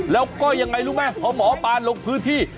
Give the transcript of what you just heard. แล้วก็ยังไงรู้ไหมพอหมอปลาลงพื้นที่